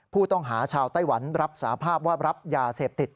ผู้ต้องหาชาวไต้หวันรับสาภาพว่ารับยาเสพติด